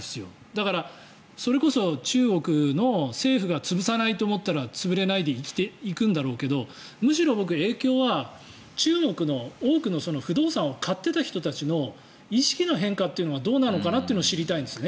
だから、それこそ中国の政府が潰さないと思ったら潰れないでいくんだろうけどむしろ僕、影響は中国の多くの不動産を買っていた人たちの意識の変化というのはどうなのかなというのを知りたいんですね。